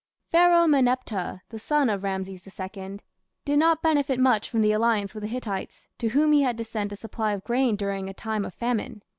Pharaoh Meneptah, the son of Rameses II, did not benefit much by the alliance with the Hittites, to whom he had to send a supply of grain during a time of famine.